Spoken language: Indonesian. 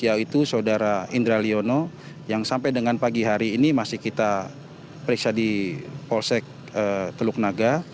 yaitu saudara indra liono yang sampai dengan pagi hari ini masih kita periksa di polsek teluk naga